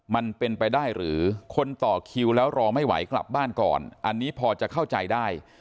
มันเป็นไปได้หรือคนต่อคิวแล้วรอไม่ไหวกลับบ้านก่อนอันนี้พอจะเข้าใจได้